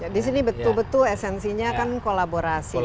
di sini betul betul esensinya kan kolaborasi